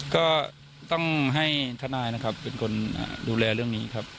ก็ต้องให้ทนายนะครับเป็นคนดูแลเรื่องนี้ครับ